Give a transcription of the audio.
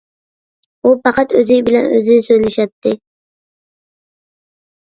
ئۇ پەقەت ئۆزى بىلەن ئۆزى سۆزلىشەتتى.